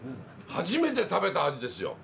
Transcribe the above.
初めて食べた味ですよ。